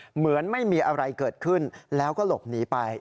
เหมือนไม่มีอะไรเกิดขึ้นแล้วก็หลบหนีไป